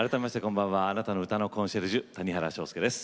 あなたの歌のコンシェルジュ谷原章介です。